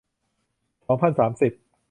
สองพันสามสิบ